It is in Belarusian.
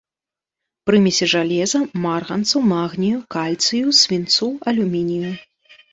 Прымесі жалеза, марганцу, магнію, кальцыю, свінцу, алюмінію.